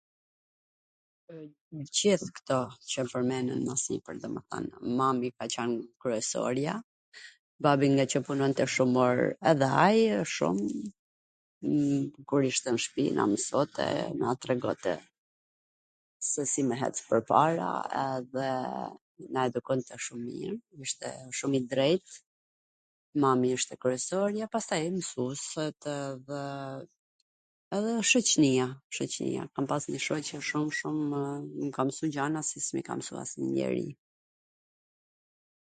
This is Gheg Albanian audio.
Gjith kto qw u pwrmendwn mw sipwr, do me thwn mami ka qwn kryesorja, babi ngaqw punonte shum or, edhe ai wsht shum, kur ishte n shtpi na msote na tregote se si me ec pwrpara, edhe na edukonte shum mir, ishte shum i drejt, mami ishte kryesorja pastaj mwsusetw dhe,,,, edhe shoqnia, shoqnia, kam pas njw shoqe shum, shumwww, m ka msu gjana qw s m i ka msu njeri.